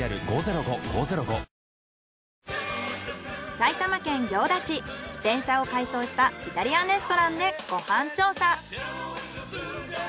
埼玉県行田市電車を改装したイタリアンレストランでご飯調査。